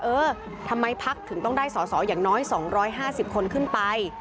เออทำไมพักถึงต้องได้สอสออย่างน้อย๒๕๐คนขึ้นไป